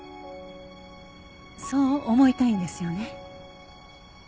そう思いたいんですよね？